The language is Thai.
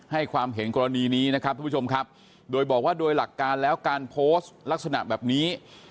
ให้ความเห็นกรณีนี้นะครับทุกผู้ชมครับโดยบอกว่าโดยหลักการแล้วการโพสต์ลักษณะแบบนี้